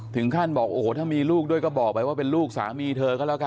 ถึงขั้นบอกโอ้โหถ้ามีลูกด้วยก็บอกไปว่าเป็นลูกสามีเธอก็แล้วกัน